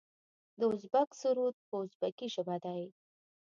د ازبک سرود په ازبکي ژبه دی.